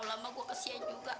lama lama gua kesian juga